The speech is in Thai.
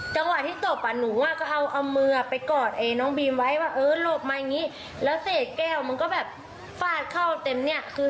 จังหวะที่ตบหนูก็เอามือไปกอดน้องบีมไว้เออโหหลบมาอย่างนี้